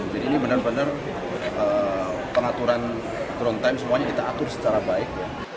jadi ini benar benar pengaturan ground time semuanya kita atur secara baik